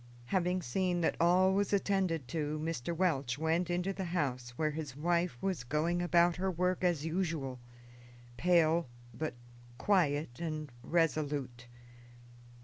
Having seen that all was attended to, Mr. Welch went into the house, where his wife was going about her work as usual, pale, but quiet and resolute.